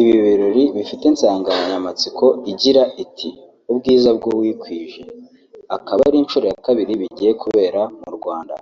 Ibi birori bifite insanganyamatsiko igira iti 'Ubwiza bw'uwikwije' akaba ari inshuro ya kabiri bigiye kubera mu Rwanda